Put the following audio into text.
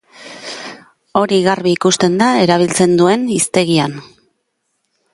Hori garbi ikusten da erabiltzen duen hiztegian.